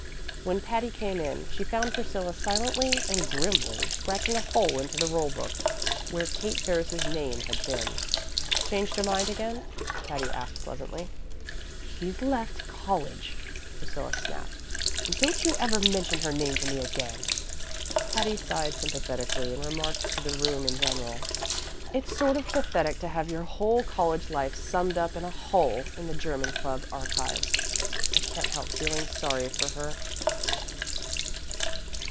When Patty came in she found Priscilla silently and grimly scratching a hole into the roll book where Kate Ferris's name had been. "Changed her mind again?" Patty asked pleasantly. "She's left college," Priscilla snapped, "and don't you ever mention her name to me again." Patty sighed sympathetically and remarked to the room in general: "It's sort of pathetic to have your whole college life summed up in a hole in the German Club archives. I can't help feeling sorry for her!"